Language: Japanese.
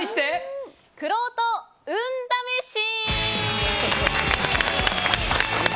くろうと運試し！